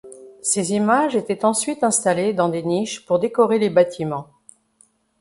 Ces images étaient ensuite installées dans des niches pour décorer les bâtiments.